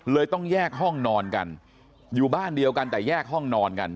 ต้องแยกห้องนอนกันอยู่บ้านเดียวกันแต่แยกห้องนอนกัน